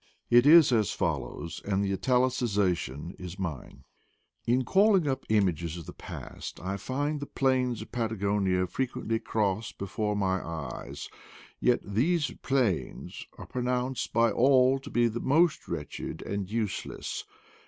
It is as follows, and the italicization is mine: — "In calling up images of the past, I find the plains of Patagonia frequently cross before my eyes; yet these plains are pronounced by all to be most wretched and useless.